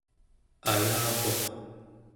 ayaruq